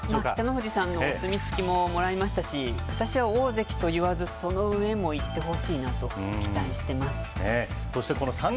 北の富士さんのお墨付きももらいましたし、私は大関といわず、その上もいってほしいなと期待してます。